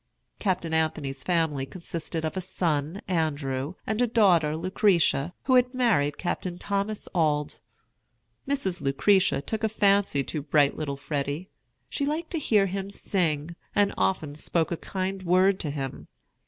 Captain Anthony's family consisted of a son, Andrew, and a daughter, Lucretia, who had married Captain Thomas Auld. Mrs. Lucretia took a fancy to bright little Freddy. She liked to hear him sing, and often spoke a kind word to him.